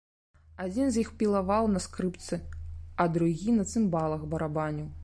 Адзін з іх пілаваў на скрыпцы, а другі на цымбалах барабаніў.